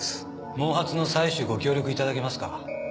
毛髪の採取ご協力いただけますか？